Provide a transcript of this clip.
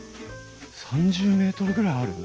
３０ｍぐらいある？